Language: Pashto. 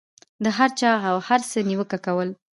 د هر چا او هر څه نیوکه کول.